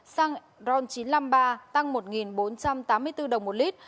xăng ron chín trăm năm mươi ba tăng một bốn trăm tám mươi bốn đồng một lít